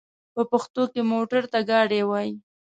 په پښتو کې موټر ته ګاډی وايي.